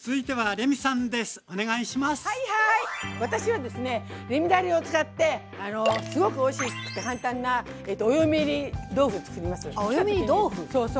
レミだれを使ってすごくおいしくて簡単な「お嫁いり豆腐」作ります。